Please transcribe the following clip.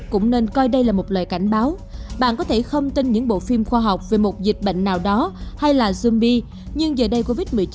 cũng nên coi đây là một lời kiến thức